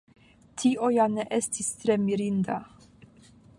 Tio ja ne estis tre mirinda.